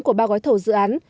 của ba gói thầu dự án